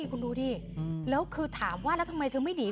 คุณดูดิแล้วคือถามว่าแล้วทำไมเธอไม่หนี